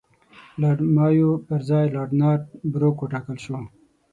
لارډ مایو پر ځای لارډ نارت بروک وټاکل شو.